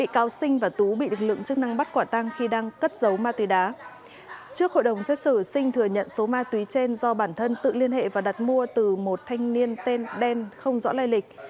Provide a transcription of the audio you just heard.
trước hội đồng xét xử sinh thừa nhận số ma túy trên do bản thân tự liên hệ và đặt mua từ một thanh niên tên đen không rõ lai lịch